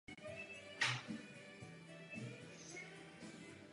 Uplatňování tohoto postupu je charakteristické pro celou její uměleckou dráhu.